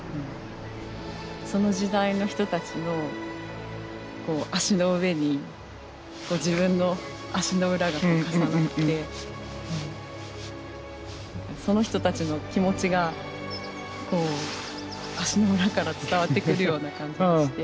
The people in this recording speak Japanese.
その時代の人たちの足の上に自分の足の裏が重なってその人たちの気持ちが足の裏から伝わってくるような感じがして。